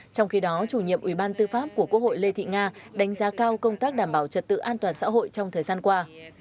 trong khi đó chủ nhiệm ủy ban tư pháp của quốc hội lê thị nga đánh giá cao công tác đảm bảo trật tự an toàn xã hội trong thời gian qua